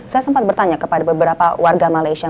saya sempat bertanya kepada beberapa warga malaysia